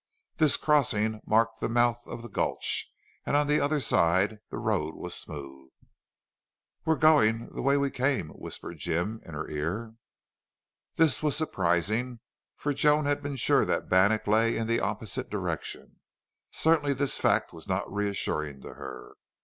This crossing marked the mouth of the gulch, and on the other side the road was smooth. "We're going the way we came," whispered Jim in her ear. This was surprising, for Joan had been sure that Bannack lay in the opposite direction. Certainly this fact was not reassuring to her.